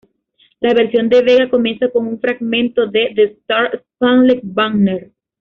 La versión de Bega comienza con un fragmento de"The Star-Spangled Banner".